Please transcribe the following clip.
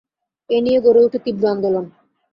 এ নিয়ে গড়ে ওঠে তীব্র আন্দোলন।